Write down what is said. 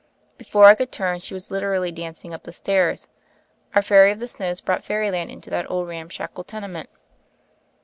Before I could turn, she was literally dancing up the stairs. Our Fairy of the Snows brought fairyland into that old ramshackle tenement.